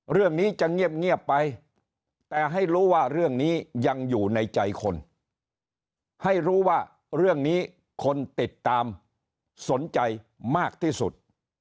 เรื่องนี้จะเงียบไปแต่ให้รู้ว่าเรื่องนี้ยังอยู่ในใจคนให้รู้ว่าเรื่องนี้คนติดตามสนใจมากที่สุด